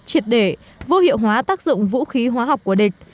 triệt để vô hiệu hóa tác dụng vũ khí hóa học của địch